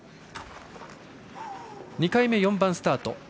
２回目、４番スタート